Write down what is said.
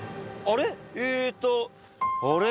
あれ？